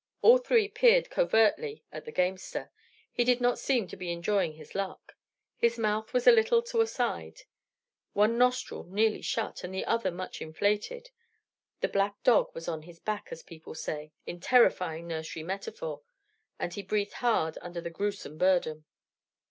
All three peered covertly at the gamester. He did not seem to be enjoying his luck. His mouth was a little to a side; one nostril nearly shut, and the other much inflated. The black dog was on his back, as people say, in terrifying nursery metaphor; and he breathed hard under the gruesome burden.